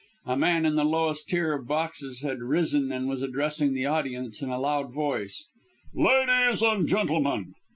A man in the lowest tier of boxes had risen and was addressing the audience in a loud voice: "Ladies and gentlemen!"